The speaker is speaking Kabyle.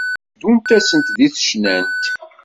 teddunt-asent deg tecnant.